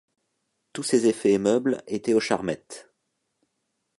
Tous ses effets et meubles étaient aux Charmettes.